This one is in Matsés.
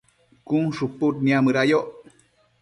cun shupud niamëda yoc